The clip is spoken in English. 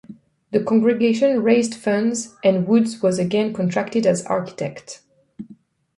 The congregation raised funds and Woods was again contracted as architect.